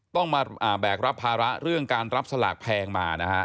ต้องมาแบกรับภาระเรื่องการรับสลากแพงมานะฮะ